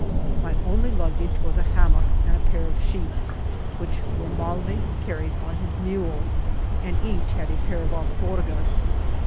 My only luggage was a hammock and pair of sheets, which Bomaldi carried on his mule, and each had a pair of alforgas.